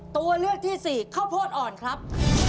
ตัวเลือกที่สี่ข้าวโพดอ่อนครับ